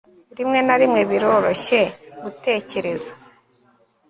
rimwe na rimwe biroroshye gutekereza